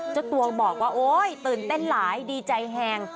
เจ้าตัวบอกว่าโอ๊ยตื่นเต้นหลายดีใจแห่ง